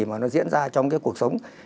mà nó diễn ra trong cái cuộc sống